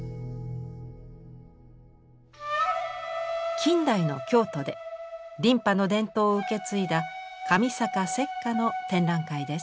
近代の京都で琳派の伝統を受け継いだ神坂雪佳の展覧会です。